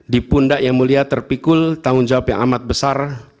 di pundak yang mulia terpikul tanggung jawab yang amat besar